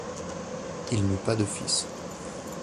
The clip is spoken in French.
Il n'eut pas de fils.